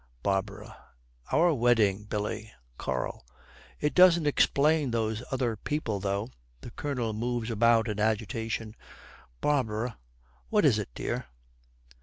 BARBARA. 'Our wedding, Billy!' KARL. 'It doesn't explain those other people, though.' The Colonel moves about in agitation. BARBARA. 'What is it, dear?'